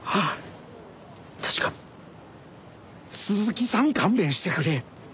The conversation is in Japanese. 確か「鈴木さん勘弁してくれ」。